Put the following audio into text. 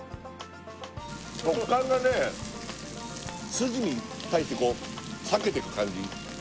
筋に対してこう裂けていく感じ